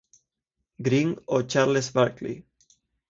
Green o Charles Barkley.